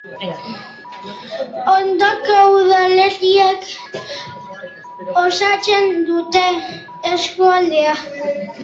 Ondoko udalerriek osatzen dute eskualdea.